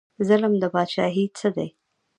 ظلم د پاچاهۍ څه دی؟